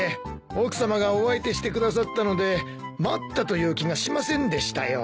奥さまがお相手してくださったので待ったという気がしませんでしたよ。